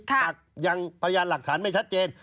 ค่ะแต่ยังประยาทหลักฐานไม่ชัดเจน